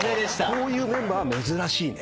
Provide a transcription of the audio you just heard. こういうメンバーは珍しいね。